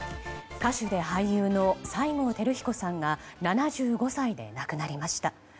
歌手で俳優の西郷輝彦さんが７５歳で亡くなりました。